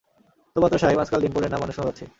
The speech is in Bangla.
তো বাতরা সাহেব, আজকাল ডিম্পলের নাম অনেক শোনা যাচ্ছে।